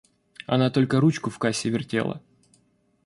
Она только ручку в кассе вертела.